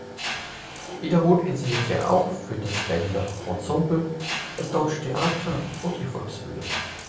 Wiederholt inszenierte er auch für das Berliner Ensemble, das Deutsche Theater und die Volksbühne.